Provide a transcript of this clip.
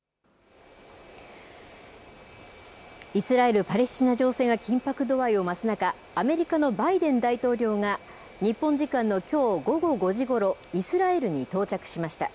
イスラエル・パレスチナ情勢が緊迫度合いを増す中、アメリカのバイデン大統領が、日本時間のきょう午後５時ごろ、イスラエルに到着しました。